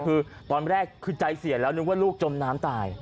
คือตอนแรกคือใจเสียแล้วนึกว่าลูกจมน้ำตาย